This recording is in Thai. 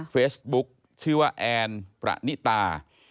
เฟซบุ๊คชื่อว่าแอนประณิตา